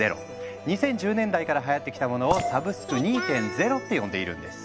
２０１０年代からはやってきたものを「サブスク２．０」って呼んでいるんです。